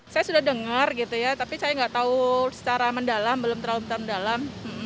saya sudah dengar tapi saya tidak tahu secara mendalam belum terlalu mendalam